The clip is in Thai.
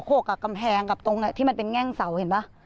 กกับกำแพงกับตรงที่มันเป็นแง่งเสาเห็นป่ะ